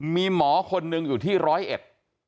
มีหมอคนหนึ่งอยู่ที่ร้อยเอ็ด